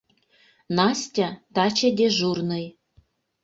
Настя — таче дежурный.